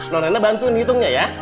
nona rena bantuin hitungnya ya